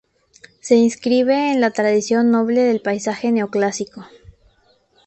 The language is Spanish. Se inscribe en la tradición noble del paisaje neoclásico.